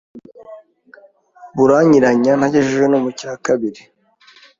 Buranyiranya ntagejeje no mucyakabiri